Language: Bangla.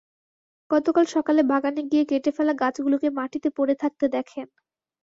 গতকাল সকালে বাগানে গিয়ে কেটে ফেলা গাছগুলোকে মাটিতে পরে থাকতে দেখেন।